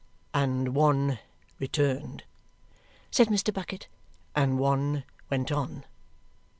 "And one returned," said Mr. Bucket, "and one went on.